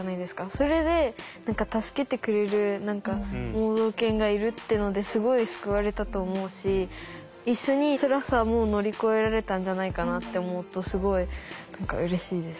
それで助けてくれる盲導犬がいるってのですごい救われたと思うし一緒につらさも乗り越えられたんじゃないかなって思うとすごい何かうれしいです。